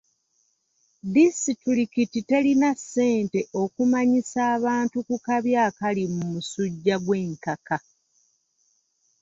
Disitulikiti terina ssente okumanyisa abantu ku kabi akali mu musujja gw'enkaka.